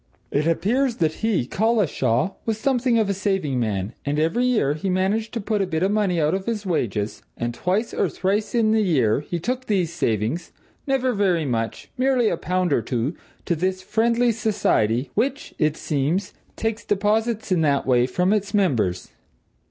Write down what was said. It appears that he, Collishaw, was something of a saving man, and every year he managed to put by a bit of money out of his wages, and twice or thrice in the year he took these savings never very much; merely a pound or two to this Friendly Society, which, it seems, takes deposits in that way from its members.